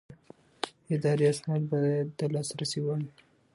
اداري اسناد باید د لاسرسي وړ وي.